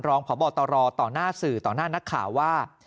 รองพบตรต่อหน้าสื่อต่อหน้านักข่าวว่า